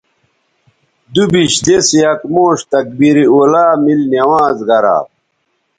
دوبیش دِس یک موݜ تکبیر اولیٰ میل نماز گرا